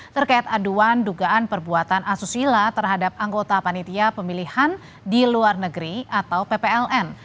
terkait aduan dugaan perbuatan asusila terhadap anggota panitia pemilihan di luar negeri atau ppln